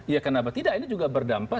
ya kenapa tidak ini juga berdampak